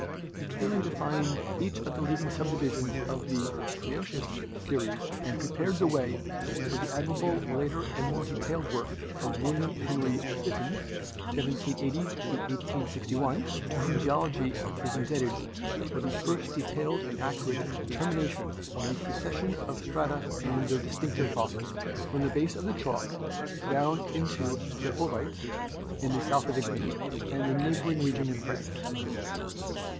He clearly defined each of the leading subdivisions of the Cretaceous series afnd pre pared the way for the admirable later and more detailed work of William Henry Fitton (1780 1861), to whom Geology is indebted for the first detailed and accurate determination of the succession of strata and their dis tinctive fossils, from the base of the Chalk down into the Oolites, in the south of England and the neighboring region in France.